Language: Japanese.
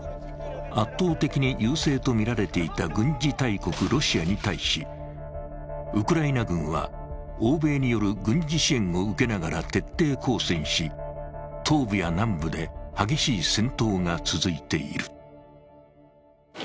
圧倒的に優勢とみられていた軍事大国・ロシアに対しウクライナ軍は欧米による軍事支援を受けながら徹底抗戦し東部や南部で激しい戦闘が続いている。